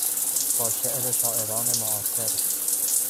با شعر شاعران معاصر